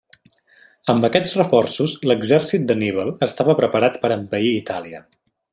Amb aquests reforços l'exèrcit d'Anníbal estava preparat per envair Itàlia.